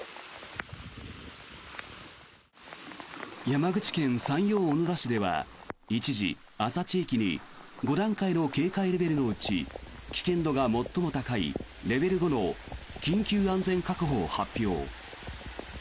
山口県山陽小野田市では一時、厚狭地域に５段階の警戒レベルのうち危険度が最も高いレベル５の緊急安全確保を発表。